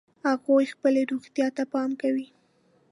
هغوی خپلې روغتیا ته پام کوي